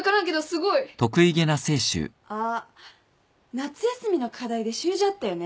あっ夏休みの課題で習字あったよね。